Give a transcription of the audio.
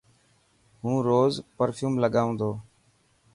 هون روز پرفيوم لگائون تو.